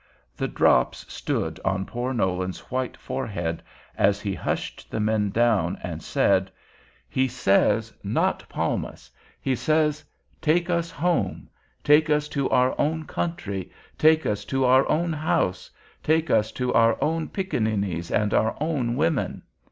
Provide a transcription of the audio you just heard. The drops stood on poor Nolan's white forehead, as he hushed the men down, and said: "He says, 'Not Palmas.' He says, 'Take us home, take us to our own country, take us to our own house, take us to our own pickaninnies and our own women.'